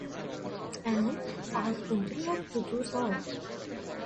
And I continued to do so.